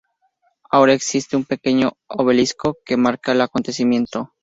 Ahora existe un pequeño obelisco que marca el acontecimiento.